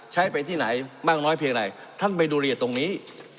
ใช้ไปที่ไหนมากน้อยเพียงไหนท่านไปดูเรียนตรงนี้